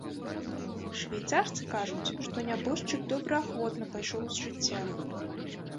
Швейцарцы кажуць, што нябожчык добраахвотна пайшоў з жыцця.